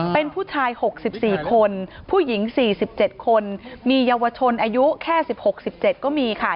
เป็นผู้ชาย๖๔คนผู้หญิง๔๗คนมีเยาวชนอายุแค่๑๖๑๗ก็มีค่ะ